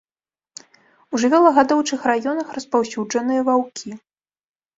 У жывёлагадоўчых раёнах распаўсюджаныя ваўкі.